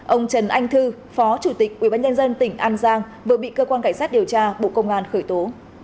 ông trần anh thư phó chủ tịch ubnd tỉnh an giang vừa bị cơ quan cảnh sát điều tra bộ công an khởi tố